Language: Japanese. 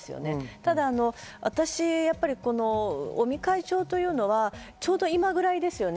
ただ、私やっぱり、尾身会長というのはちょうど今ぐらいですよね。